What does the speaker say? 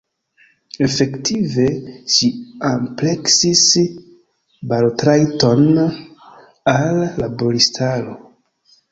Efektive, ĝi ampleksis balotrajton al laboristaro.